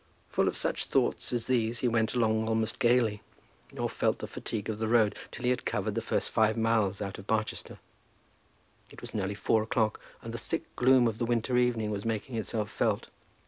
Full of such thoughts as these he went along almost gaily, nor felt the fatigue of the road till he had covered the first five miles out of Barchester. It was nearly four o'clock, and the thick gloom of the winter evening was making itself felt.